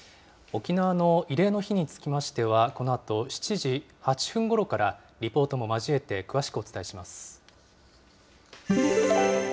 沖縄の慰霊の日につきましては、このあと７時８分ごろから、リポートも交えて詳しくお伝えします。